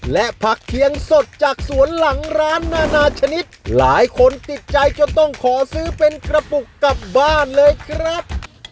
และผักเคียงสดจากสวนหลังร้านนานาชนิดหลายคนติดใจจนต้องขอซื้อเป็นกระปุกกลับบ้านเลยครับ